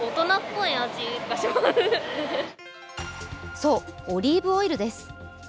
そう、オリーブオイルです。